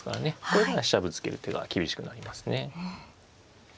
これなら飛車ぶつける手が厳しくなりますね。